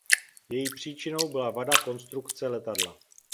Její příčinou byla vada konstrukce letadla.